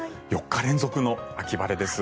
４日連続の秋晴れです。